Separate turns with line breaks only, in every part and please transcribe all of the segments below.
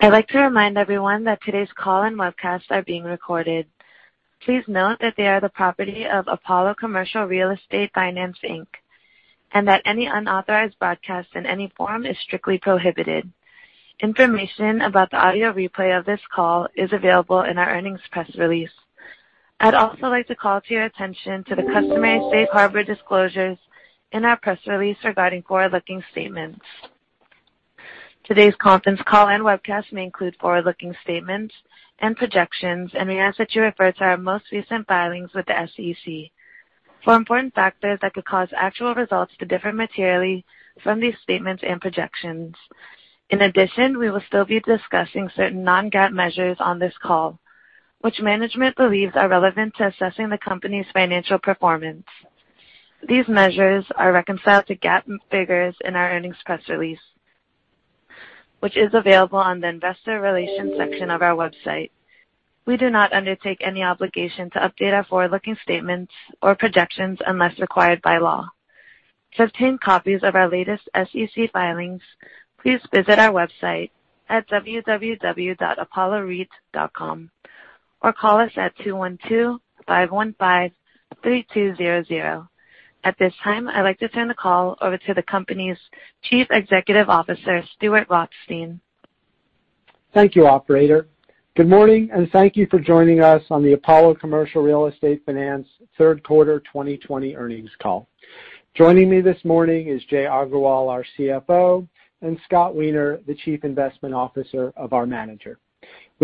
I'd like to remind everyone that today's call and webcast are being recorded. Please note that they are the property of Apollo Commercial Real Estate Finance, Inc., and that any unauthorized broadcast in any form is strictly prohibited. Information about the audio replay of this call is available in our earnings press release. I'd also like to call to your attention to the customary safe harbor disclosures in our press release regarding forward-looking statements. Today's conference call and webcast may include forward-looking statements and projections, and we ask that you refer to our most recent filings with the SEC for important factors that could cause actual results to differ materially from these statements and projections. In addition, we will still be discussing certain non-GAAP measures on this call, which management believes are relevant to assessing the company's financial performance. These measures are reconciled to GAAP figures in our earnings press release, which is available on the investor relations section of our website. We do not undertake any obligation to update our forward-looking statements or projections unless required by law. To obtain copies of our latest SEC filings, please visit our website at www.apolloreit.com or call us at 212-515-3200. At this time, I'd like to turn the call over to the company's Chief Executive Officer, Stuart Rothstein.
Thank you, operator. Good morning, and thank you for joining us on the Apollo Commercial Real Estate Finance third quarter 2020 earnings call. Joining me this morning is Jai Agarwal, our CFO, and Scott Weiner, the Chief Investment Officer of our manager.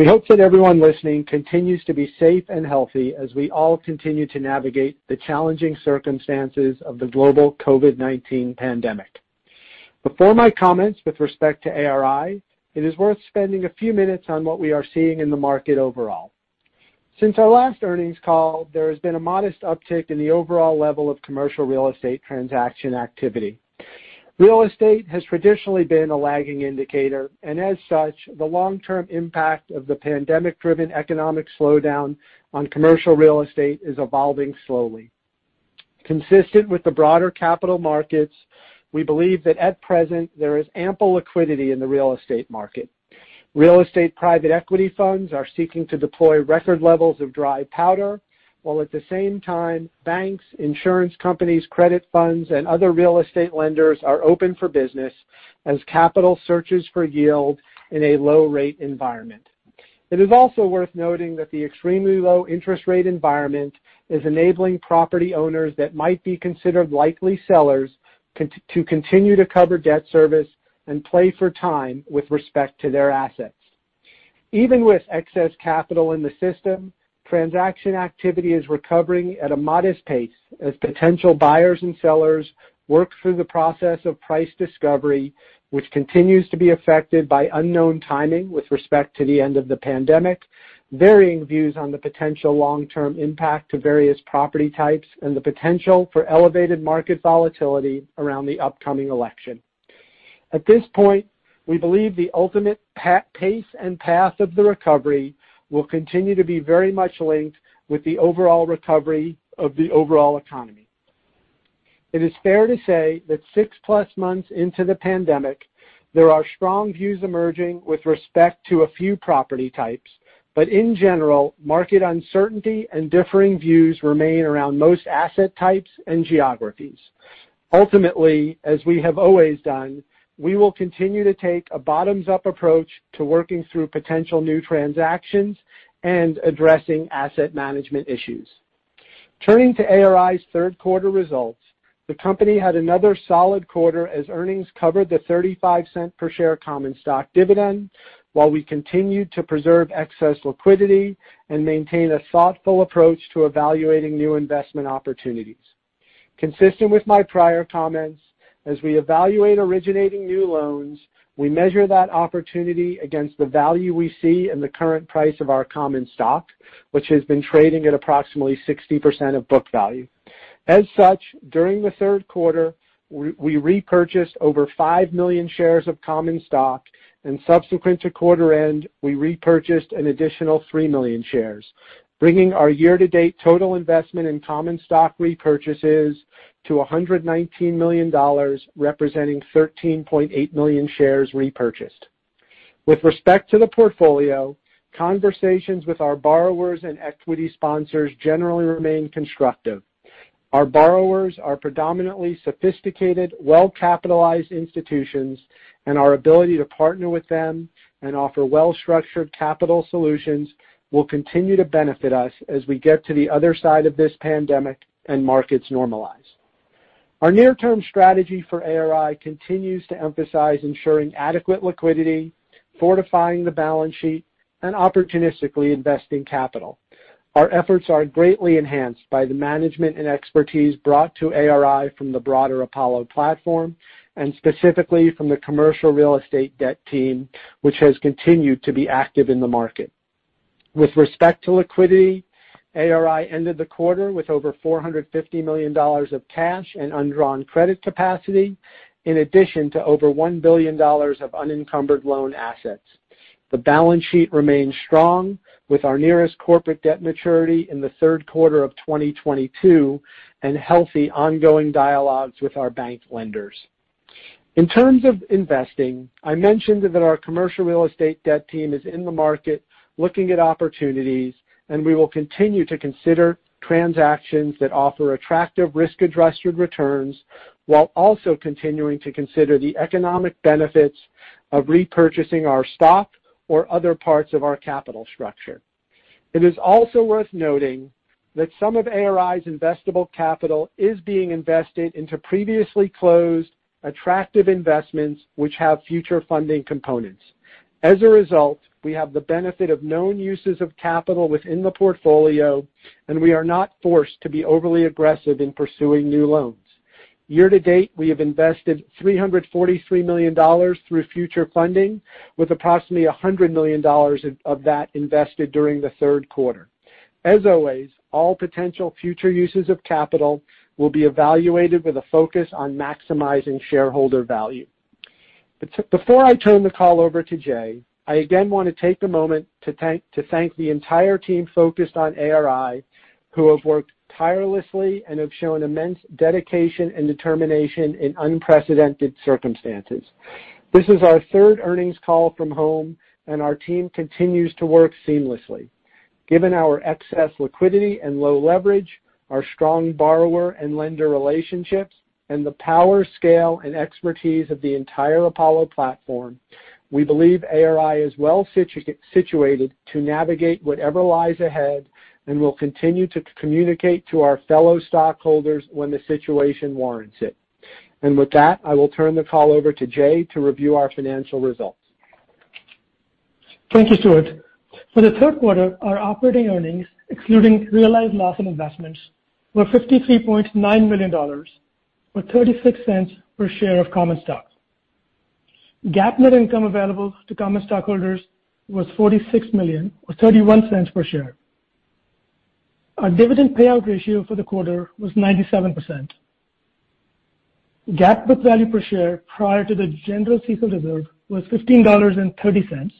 We hope that everyone listening continues to be safe and healthy as we all continue to navigate the challenging circumstances of the global COVID-19 pandemic. Before my comments with respect to ARI, it is worth spending a few minutes on what we are seeing in the market overall. Since our last earnings call, there has been a modest uptick in the overall level of commercial real estate transaction activity. Real estate has traditionally been a lagging indicator, and as such, the long-term impact of the pandemic-driven economic slowdown on commercial real estate is evolving slowly. Consistent with the broader capital markets, we believe that at present, there is ample liquidity in the real estate market. Real estate private equity funds are seeking to deploy record levels of dry powder, while at the same time, banks, insurance companies, credit funds, and other real estate lenders are open for business as capital searches for yield in a low-rate environment. It is also worth noting that the extremely low interest rate environment is enabling property owners that might be considered likely sellers to continue to cover debt service and play for time with respect to their assets. Even with excess capital in the system, transaction activity is recovering at a modest pace as potential buyers and sellers work through the process of price discovery, which continues to be affected by unknown timing with respect to the end of the pandemic, varying views on the potential long-term impact to various property types, and the potential for elevated market volatility around the upcoming election. At this point, we believe the ultimate pace and path of the recovery will continue to be very much linked with the overall recovery of the overall economy. It is fair to say that six-plus months into the pandemic, there are strong views emerging with respect to a few property types, but in general, market uncertainty and differing views remain around most asset types and geographies. Ultimately, as we have always done, we will continue to take a bottoms-up approach to working through potential new transactions and addressing asset management issues. Turning to ARI's third quarter results, the company had another solid quarter as earnings covered the $0.35 per share common stock dividend, while we continued to preserve excess liquidity and maintain a thoughtful approach to evaluating new investment opportunities. Consistent with my prior comments, as we evaluate originating new loans, we measure that opportunity against the value we see in the current price of our common stock, which has been trading at approximately 60% of book value. As such, during the third quarter, we repurchased over five million shares of common stock, and subsequent to quarter end, we repurchased an additional three million shares, bringing our year-to-date total investment in common stock repurchases to $119 million, representing 13.8 million shares repurchased. With respect to the portfolio, conversations with our borrowers and equity sponsors generally remain constructive. Our borrowers are predominantly sophisticated, well-capitalized institutions, and our ability to partner with them and offer well-structured capital solutions will continue to benefit us as we get to the other side of this pandemic and markets normalize. Our near-term strategy for ARI continues to emphasize ensuring adequate liquidity, fortifying the balance sheet, and opportunistically investing capital. Our efforts are greatly enhanced by the management and expertise brought to ARI from the broader Apollo platform and specifically from the commercial real estate debt team, which has continued to be active in the market. With respect to liquidity, ARI ended the quarter with over $450 million of cash and undrawn credit capacity, in addition to over $1 billion of unencumbered loan assets. The balance sheet remains strong with our nearest corporate debt maturity in the third quarter of 2022 and healthy ongoing dialogues with our bank lenders. In terms of investing, I mentioned that our commercial real estate debt team is in the market looking at opportunities, and we will continue to consider transactions that offer attractive risk-adjusted returns, while also continuing to consider the economic benefits of repurchasing our stock or other parts of our capital structure. It is also worth noting that some of ARI's investable capital is being invested into previously closed attractive investments which have future funding components. As a result, we have the benefit of known uses of capital within the portfolio, and we are not forced to be overly aggressive in pursuing new loans. Year to date, we have invested $343 million through future funding with approximately $100 million of that invested during the third quarter. As always, all potential future uses of capital will be evaluated with a focus on maximizing shareholder value. Before I turn the call over to Jai, I again want to take a moment to thank the entire team focused on ARI, who have worked tirelessly and have shown immense dedication and determination in unprecedented circumstances. This is our third earnings call from home, and our team continues to work seamlessly. Given our excess liquidity and low leverage, our strong borrower and lender relationships, and the power, scale, and expertise of the entire Apollo platform, we believe ARI is well situated to navigate whatever lies ahead and will continue to communicate to our fellow stockholders when the situation warrants it. With that, I will turn the call over to Jai to review our financial results.
Thank you, Stuart. For the third quarter, our operating earnings, excluding realized loss on investments, were $53.9 million, or $0.36 per share of common stock. GAAP net income available to common stockholders was $46 million, or $0.31 per share. Our dividend payout ratio for the quarter was 97%. GAAP book value per share prior to the general CECL reserve was $15.30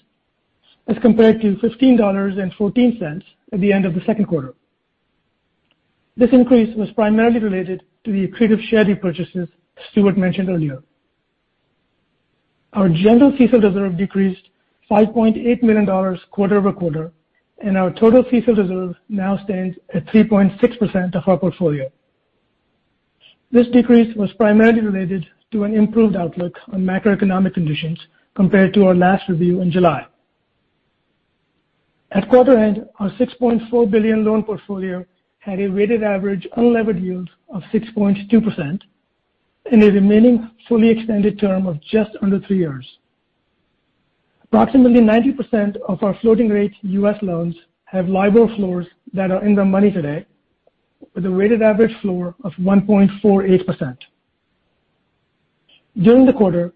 as compared to $15.14 at the end of the second quarter. This increase was primarily related to the accretive share repurchases Stuart mentioned earlier. Our general CECL reserve decreased $5.8 million quarter-over-quarter, and our total CECL reserve now stands at 3.6% of our portfolio. This decrease was primarily related to an improved outlook on macroeconomic conditions compared to our last review in July. At quarter end, our 6.4 billion loan portfolio had a weighted average unlevered yield of 6.2% and a remaining fully extended term of just under three years. Approximately 90% of our floating rate U.S. loans have LIBOR floors that are in the money today with a weighted average floor of 1.48%. During the quarter,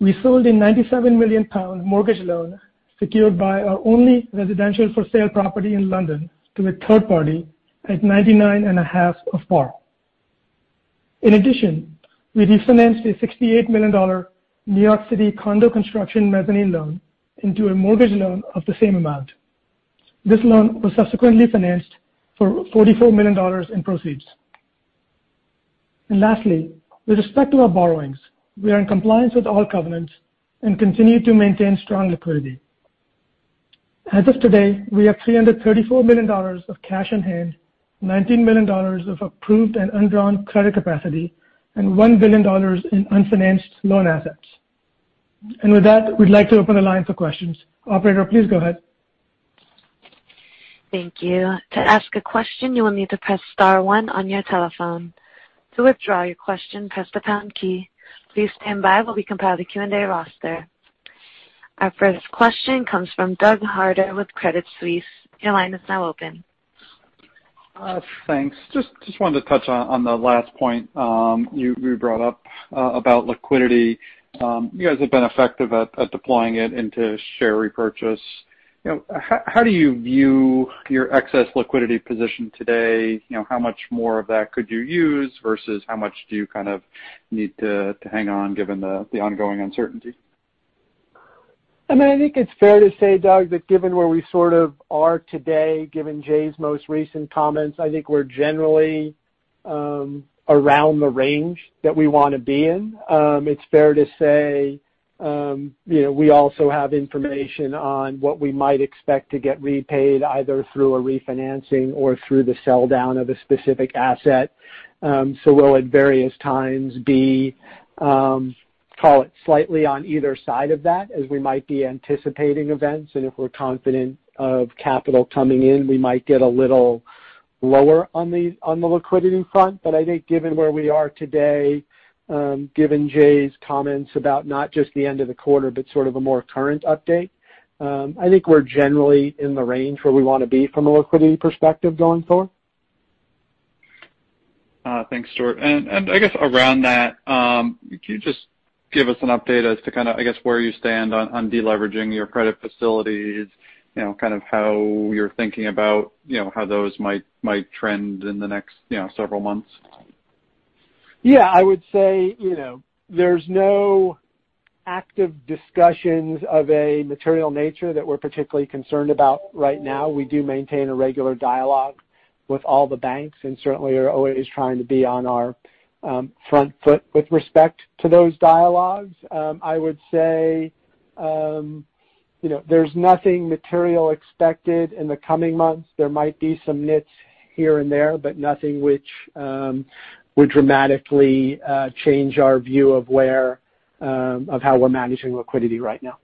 we sold a 97 million pound mortgage loan secured by our only residential-for-sale property in London to a third party at 99.5 of par. In addition, we refinanced a $68 million New York City condo construction mezzanine loan into a mortgage loan of the same amount. This loan was subsequently financed for $44 million in proceeds. Lastly, with respect to our borrowings, we are in compliance with all covenants and continue to maintain strong liquidity. As of today, we have $334 million of cash on hand, $19 million of approved and undrawn credit capacity, and $1 billion in unfinanced loan assets. With that, we'd like to open the line for questions. Operator, please go ahead.
Thank you. To ask a question, you will need to press star one on your telephone. To withdraw your question, press the pound key. Please stand by while we compile the Q&A roster. Our first question comes from Doug Harter with Credit Suisse. Your line is now open.
Thanks. Just wanted to touch on the last point you brought up about liquidity. You guys have been effective at deploying it into share repurchase. How do you view your excess liquidity position today? How much more of that could you use versus how much do you kind of need to hang on given the ongoing uncertainty?
I think it's fair to say, Doug, that given where we sort of are today, given Jai's most recent comments, I think we're generally around the range that we want to be in. It's fair to say we also have information on what we might expect to get repaid, either through a refinancing or through the sell-down of a specific asset. We'll at various times call it slightly on either side of that as we might be anticipating events. If we're confident of capital coming in, we might get a little lower on the liquidity front. I think given where we are today, given Jai's comments about not just the end of the quarter but sort of a more current update, I think we're generally in the range where we want to be from a liquidity perspective going forward.
Thanks, Stuart. I guess around that, can you just give us an update as to kind of, I guess, where you stand on de-leveraging your credit facilities, kind of how you're thinking about how those might trend in the next several months?
I would say, there's no active discussions of a material nature that we're particularly concerned about right now. We do maintain a regular dialogue with all the banks, and certainly are always trying to be on our front foot with respect to those dialogues. I would say there's nothing material expected in the coming months. There might be some nits here and there, but nothing which would dramatically change our view of how we're managing liquidity right now.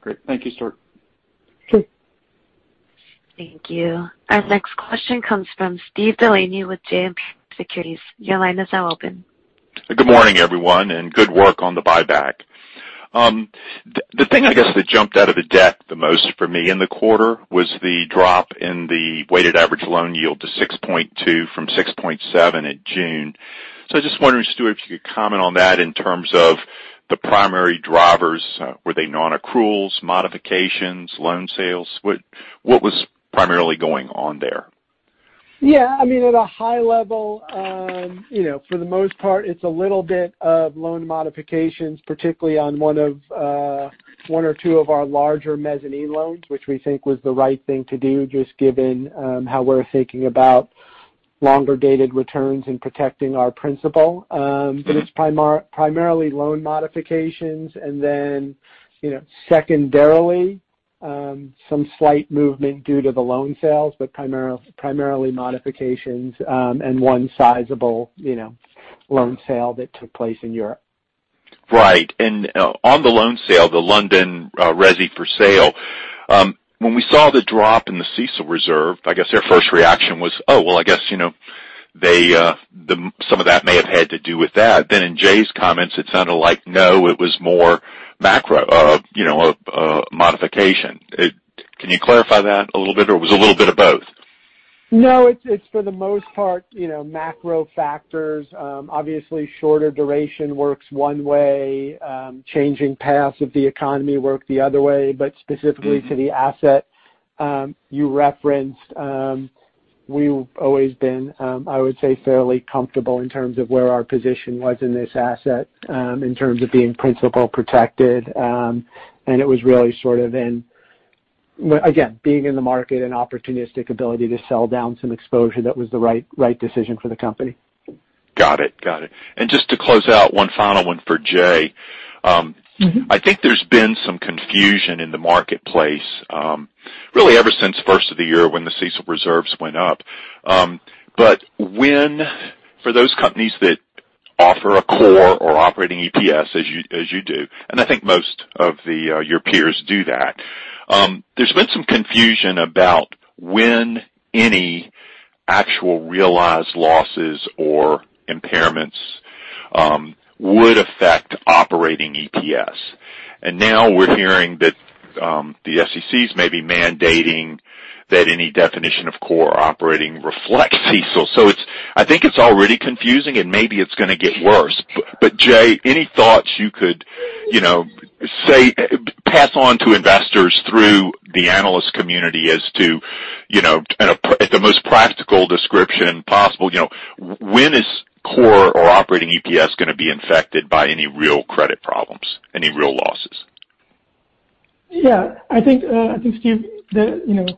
Great. Thank you, Stuart.
Thank you. Our next question comes from Steve Delaney with JMP Securities. Your line is now open.
Good morning, everyone, and good work on the buyback. The thing, I guess, that jumped out of the deck the most for me in the quarter was the drop in the weighted average loan yield to 6.2% from 6.7% in June. I was just wondering, Stuart, if you could comment on that in terms of the primary drivers. Were they non-accruals, modifications, loan sales? What was primarily going on there?
Yeah. I mean, at a high level, for the most part, it's a little bit of loan modifications, particularly on one or two of our larger mezzanine loans, which we think was the right thing to do, just given how we're thinking about longer-dated returns and protecting our principal. It's primarily loan modifications and then secondarily, some slight movement due to the loan sales, but primarily modifications, and one sizable loan sale that took place in Europe.
Right. On the loan sale, the London resi for sale. When we saw the drop in the CECL reserve, I guess their first reaction was, oh, well, I guess some of that may have had to do with that. In Jai's comments, it sounded like, no, it was more macro, a modification. Can you clarify that a little bit, or it was a little bit of both?
It's for the most part macro factors. Obviously, shorter duration works one way, changing paths of the economy work the other way. Specifically to the asset you referenced, we've always been, I would say, fairly comfortable in terms of where our position was in this asset in terms of being principal protected. It was really sort of in, again, being in the market and opportunistic ability to sell down some exposure that was the right decision for the company.
Got it. Just to close out, one final one for Jai. I think there's been some confusion in the marketplace, really ever since the first of the year when the CECL reserves went up. For those companies that offer a core or operating EPS as you do, and I think most of your peers do that, there's been some confusion about when any actual realized losses or impairments would affect operating EPS. Now we're hearing that the SEC may be mandating that any definition of core operating reflects CECL. I think it's already confusing, and maybe it's going to get worse. Jai, any thoughts you could pass on to investors through the analyst community as to the most practical description possible, when is core or operating EPS going to be infected by any real credit problems, any real losses?
I think, Steve, there's going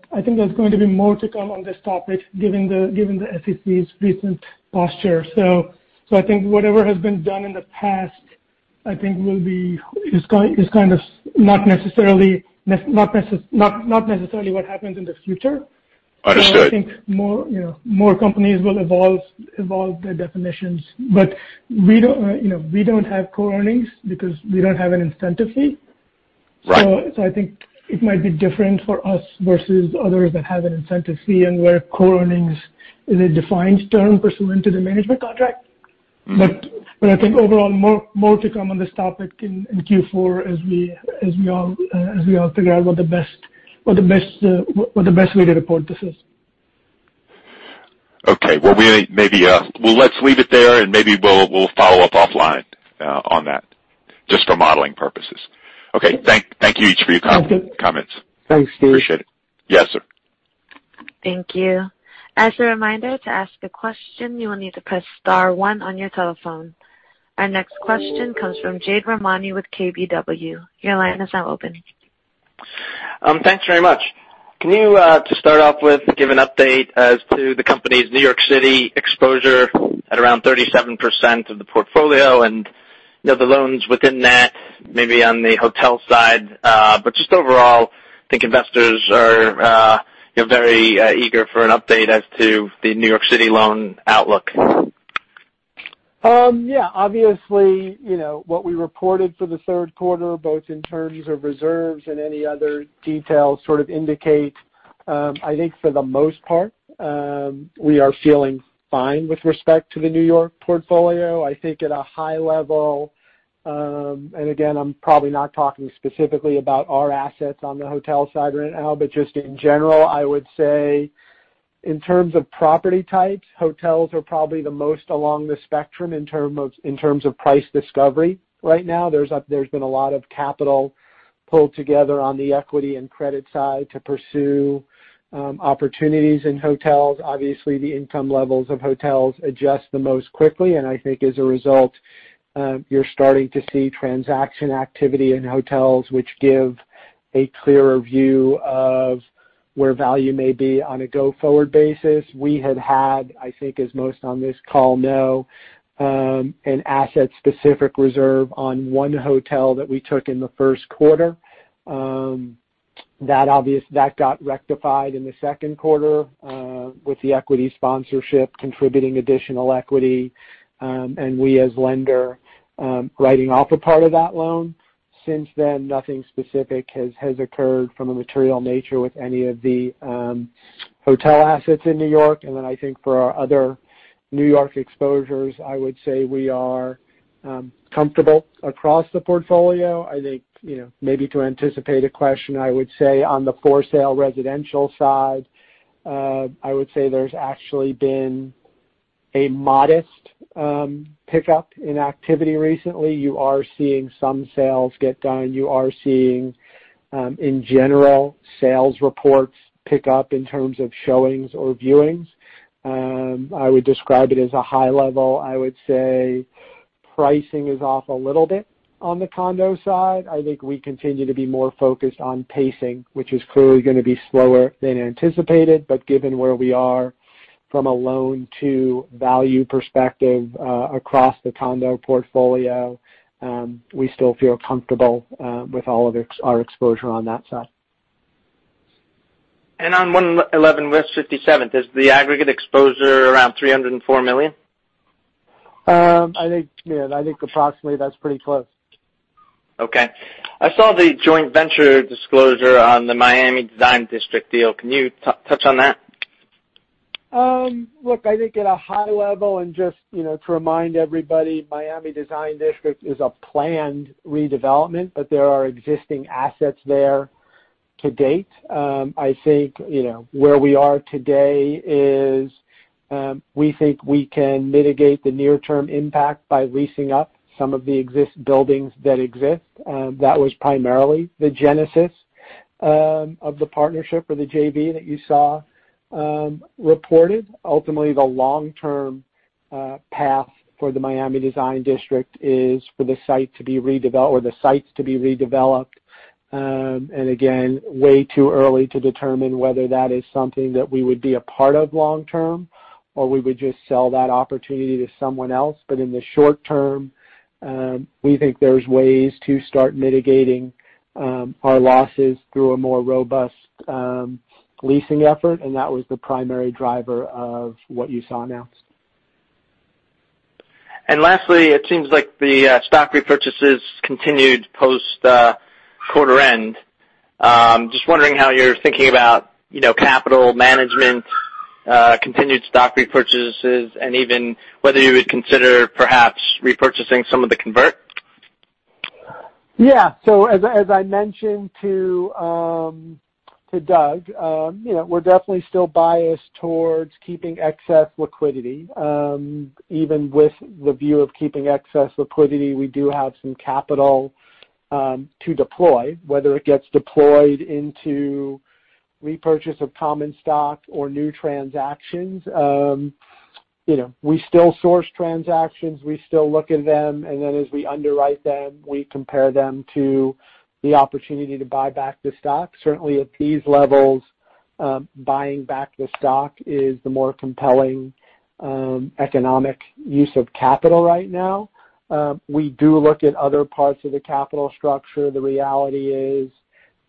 to be more to come on this topic given the SEC's recent posture. I think whatever has been done in the past, I think is kind of not necessarily what happens in the future.
Understood.
I think more companies will evolve their definitions. We don't have core earnings because we don't have an incentive fee.
Right.
I think it might be different for us versus others that have an incentive fee and where core earnings is a defined term pursuant to the management contract. I think overall, more to come on this topic in Q4 as we all figure out what the best way to report this is.
Okay. Well, let's leave it there and maybe we'll follow up offline on that just for modeling purposes. Okay. Thank you each for your comments.
Thanks, Steve.
Thanks.
Appreciate it. Yes, sir.
Thank you. As a reminder, to ask a question, you will need to press star one on your telephone. Our next question comes from Jade Rahmani with KBW. Your line is now open.
Thanks very much. Can you, to start off with, give an update as to the company's New York City exposure at around 37% of the portfolio and the loans within that, maybe on the hotel side. Just overall, I think investors are very eager for an update as to the New York City loan outlook?
Obviously, what we reported for the third quarter, both in terms of reserves and any other details sort of indicate, I think for the most part, we are feeling fine with respect to the New York portfolio. I think at a high level, again, I'm probably not talking specifically about our assets on the hotel side right now, but just in general, I would say in terms of property types, hotels are probably the most along the spectrum in terms of price discovery right now. There's been a lot of capital pulled together on the equity and credit side to pursue opportunities in hotels. Obviously, the income levels of hotels adjust the most quickly, and I think as a result, you're starting to see transaction activity in hotels which give a clearer view of where value may be on a go-forward basis. We have had, I think as most on this call know, an asset-specific reserve on one hotel that we took in the first quarter. That got rectified in the second quarter with the equity sponsorship contributing additional equity, and we as lender, writing off a part of that loan. Since then, nothing specific has occurred from a material nature with any of the hotel assets in New York. I think for our other New York exposures, I would say we are comfortable across the portfolio. I think, maybe to anticipate a question, I would say on the for sale residential side, I would say there's actually been a modest pickup in activity recently. You are seeing some sales get done. You are seeing, in general, sales reports pick up in terms of showings or viewings. I would describe it as a high level. I would say pricing is off a little bit on the condo side. I think we continue to be more focused on pacing, which is clearly going to be slower than anticipated. Given where we are from a loan-to-value perspective across the condo portfolio, we still feel comfortable with all of our exposure on that side.
On 111 West 57th, is the aggregate exposure around $304 million?
I think, yeah. I think approximately that's pretty close.
Okay. I saw the joint venture disclosure on the Miami Design District deal. Can you touch on that?
Look, I think at a high level, and just to remind everybody, Miami Design District is a planned redevelopment, but there are existing assets there to date. I think where we are today is we think we can mitigate the near-term impact by leasing up some of the buildings that exist. That was primarily the genesis of the partnership or the JV that you saw reported. Ultimately, the long-term path for the Miami Design District is for the sites to be redeveloped. Again, way too early to determine whether that is something that we would be a part of long term, or we would just sell that opportunity to someone else. In the short term, we think there's ways to start mitigating our losses through a more robust leasing effort, and that was the primary driver of what you saw announced.
Lastly, it seems like the stock repurchases continued post-quarter end. I was just wondering how you're thinking about capital management, continued stock repurchases, and even whether you would consider perhaps repurchasing some of the convert?
Yeah. As I mentioned to Doug, we're definitely still biased towards keeping excess liquidity. Even with the view of keeping excess liquidity, we do have some capital to deploy, whether it gets deployed into repurchase of common stock or new transactions. We still source transactions, we still look at them, and then as we underwrite them, we compare them to the opportunity to buy back the stock. Certainly, at these levels, buying back the stock is the more compelling economic use of capital right now. We do look at other parts of the capital structure. The reality is,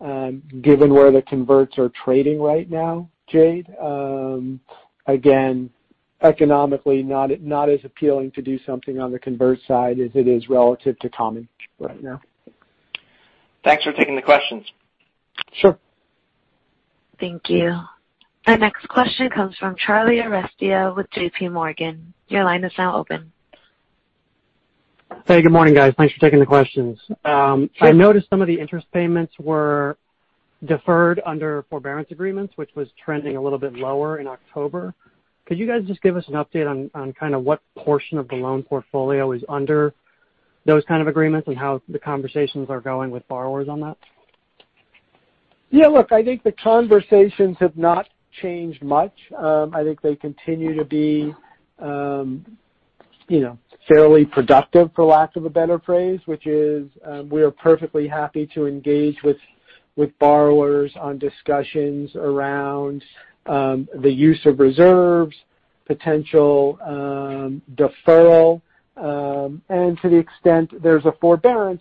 given where the converts are trading right now, Jade, again, economically not as appealing to do something on the convert side as it is relative to common right now.
Thanks for taking the questions.
Sure.
Thank you. Our next question comes from Charlie Arestia with JPMorgan. Your line is now open.
Hey, good morning, guys. Thanks for taking the questions.
Sure.
I noticed some of the interest payments were deferred under forbearance agreements, which was trending a little bit lower in October. Could you guys just give us an update on kind of what portion of the loan portfolio is under those kind of agreements, and how the conversations are going with borrowers on that?
Yeah, look, I think the conversations have not changed much. I think they continue to be fairly productive, for lack of a better phrase, which is, we are perfectly happy to engage with borrowers on discussions around the use of reserves, potential deferral. To the extent there's a forbearance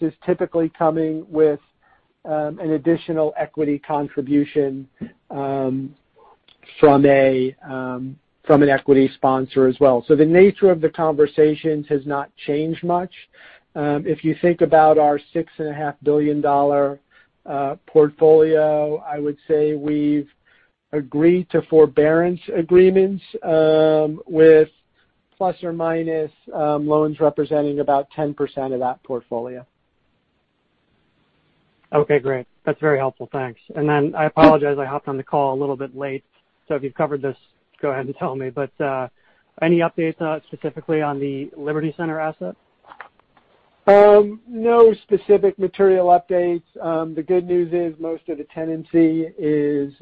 is typically coming with an additional equity contribution from an equity sponsor as well. The nature of the conversations has not changed much. If you think about our $6.5 billion portfolio, I would say we've agreed to forbearance agreements with plus or minus loans representing about 10% of that portfolio.
Ok, great that is very helpful thanks. I apologize, I hopped on the call a little bit late, so if you've covered this, go ahead and tell me, but any updates specifically on the Liberty Center asset?
No specific material updates. The good news is most of the tenancy is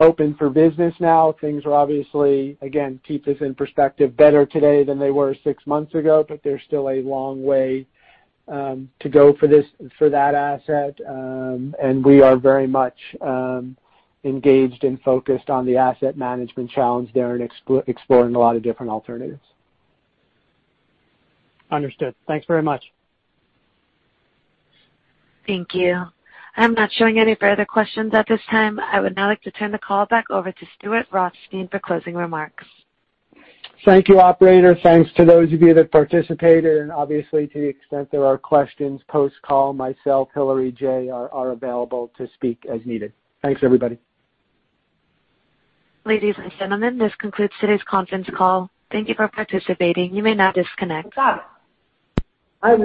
open for business now. Things are obviously, again, keep this in perspective, better today than they were six months ago, but there's still a long way to go for that asset. We are very much engaged and focused on the asset management challenge there and exploring a lot of different alternatives.
Understood. Thanks very much.
Thank you. I'm not showing any further questions at this time. I would now like to turn the call back over to Stuart Rothstein for closing remarks.
Thank you, operator. Thanks to those of you that participated, and obviously, to the extent there are questions post-call, myself, Hilary, Jai are available to speak as needed. Thanks, everybody.
Ladies and gentlemen, this concludes today's conference call. Thank you for participating. You may now disconnect.